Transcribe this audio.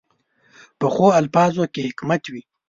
پخو الفاظو کې حکمت وي